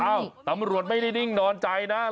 ตำรวจไม่ได้นิ่งนอนใจนะ